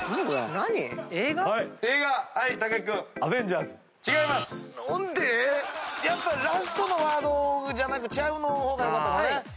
何で⁉ラストのワードじゃなくちゃう方がよかったんだね。